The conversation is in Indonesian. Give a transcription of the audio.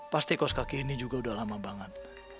pasti kaos kaki ini juga udah lama banget